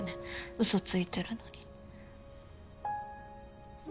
うそついてるのに。